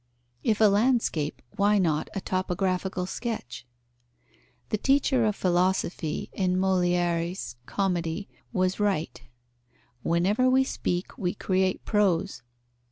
If a landscape, why not a topographical sketch? The teacher of philosophy in Molière's comedy was right: "whenever we speak we create prose."